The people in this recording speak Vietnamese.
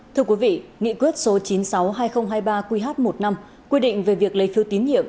thưa quý vị nghị quyết số chín trăm sáu mươi hai nghìn hai mươi ba qh một năm quy định về việc lấy phiếu tín nhiệm